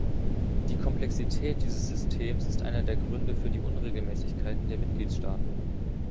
Die Komplexität dieses Systems ist einer der Gründe für die Unregelmäßigkeiten der Mitgliedstaaten.